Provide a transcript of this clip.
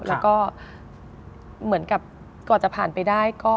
แล้วก็เหมือนกับก่อนจะผ่านไปได้